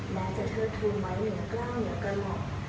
และจะทอดทนไว้เหนือกล้าเหนือกระหมอก